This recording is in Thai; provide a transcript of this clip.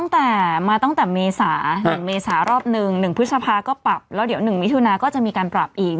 ตั้งแต่มาตั้งแต่เมษา๑เมษารอบหนึ่ง๑พฤษภาก็ปรับแล้วเดี๋ยว๑มิถุนาก็จะมีการปรับอีก